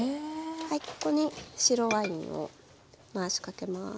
ここに白ワインを回しかけます。